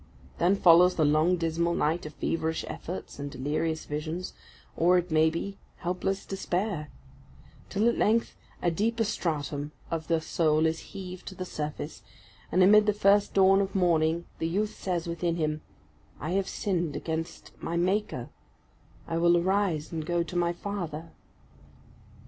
Then follows the long dismal night of feverish efforts and delirious visions, or, it may be, helpless despair; till at length a deeper stratum of the soul is heaved to the surface; and amid the first dawn of morning, the youth says within him, "I have sinned against my Maker I will arise and go to my Father."